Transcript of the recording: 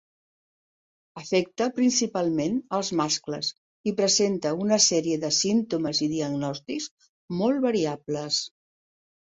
Afecta principalment els mascles, i presenta una sèrie de símptomes i diagnòstics molt variables.